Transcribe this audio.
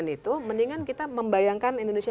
itu mendingan kita membayangkan indonesia